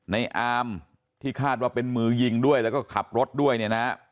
ในอามที่คาดว่าเป็นมือยิงด้วยแล้วก็ขับรถด้วยเนี่ยนะ